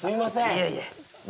いえいえご